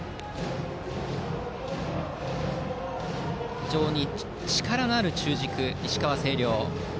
非常に力のある中軸、石川・星稜。